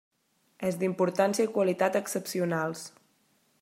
És d'importància i qualitat excepcionals.